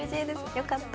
よかった